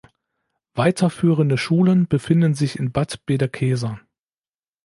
Weiterführende Schulen befinden sich in Bad Bederkesa.